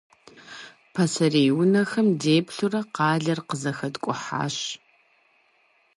Пасэрей унэхэм деплъурэ къалэр къызэхэткӏухьащ.